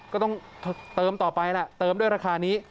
ก็ต้องเติมต่อไปแหละเติมด้วยราคานี้